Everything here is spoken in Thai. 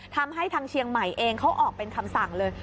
ทางเชียงใหม่เองเขาออกเป็นคำสั่งเลย